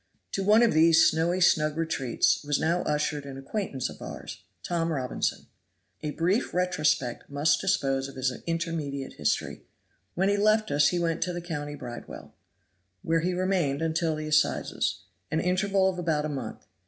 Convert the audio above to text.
To one of these snowy snug retreats was now ushered an acquaintance of ours, Tom Robinson. A brief retrospect must dispose of his intermediate history. When he left us he went to the county bridewell, where he remained until the assizes, an interval of about a month.